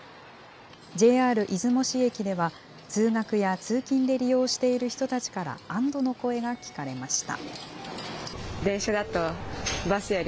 ＪＲ出雲市駅では、通学や通勤で利用している人たちから、安どの声が聞かれました。